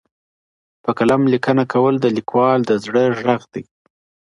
په قلم لیکنه کول د لیکوال د زړه ږغ دی.